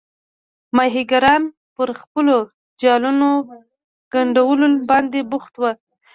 ماهیګیران پر خپلو جالونو ګنډلو باندې بوخت وو.